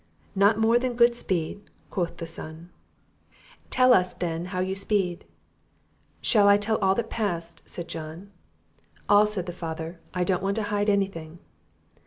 "Not more than good speed," quoth the son. "Tell us, then, how you speed?" "Shall I tell all that passed?" said John. "All," said the father; "I don't want to hide any thing."